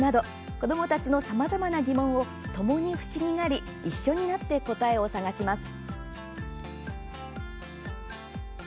子どもたちのさまざまな疑問をともに不思議がり一緒になって答えを探します。